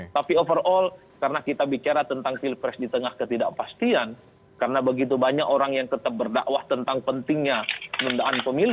tapi overall karena kita bicara tentang pilpres di tengah ketidakpastian karena begitu banyak orang yang tetap berdakwah tentang pentingnya penundaan pemilu